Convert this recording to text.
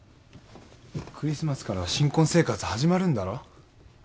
クリスマスからは新婚生活始まるんだろ？